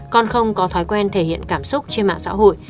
con không có thói quen thể hiện cảm xúc trên mạng xã hội